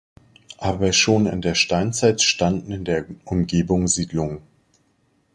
Aber schon in der Steinzeit standen in der Umgebung Siedlungen.